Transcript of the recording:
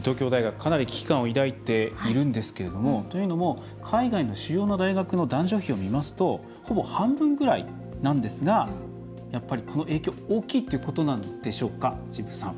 かなり危機感を抱いているんですけどというのも海外の主要な大学の男女比を見ますとほぼ半分ぐらいなんですがやっぱり、この影響大きいということなんでしょうか。